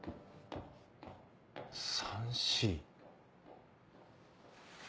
さんしー。